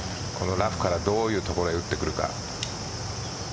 ラフからどういう所へ打ってくるか。